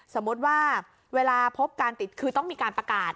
สมมุติว่าเวลาพบการติดคือต้องมีการประกาศ